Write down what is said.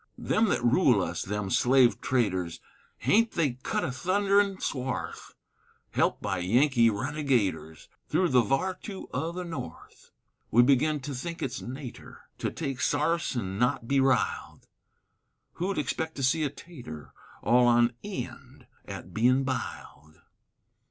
Them thet rule us, them slave traders, Haint they cut a thunderin' swarth (Helped by Yankee renegaders), Thru the vartu o' the North! We begin to think it's nater To take sarse an' not be riled; Who'd expect to see a tater All on eend at bein' biled?